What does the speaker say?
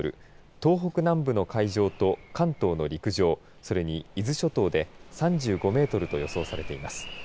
東北南部の海上と関東の陸上、それに伊豆諸島で３５メートルと予想されています。